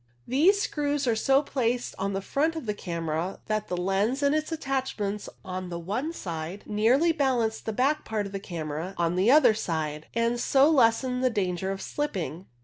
These screws are so placed on the front of the camera that the lens and its attachments on the one side nearly balance the back part of the camera on the other side, and so lessen the danger of slipping.